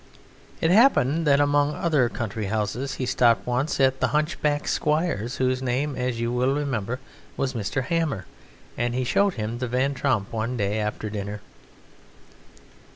It happened that among other country houses he stopped once at the hunchback squire's, whose name, as you will remember, was Mr. Hammer, and he showed him the Van Tromp one day after dinner.